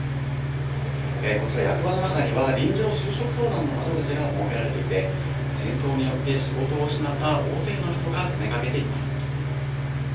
こちら、役場の中には臨時の就職相談の窓口が設けられていて、戦争によって仕事を失った大勢の人が詰めかけています。